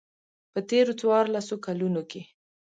په تېرو څوارلسو کلونو کې.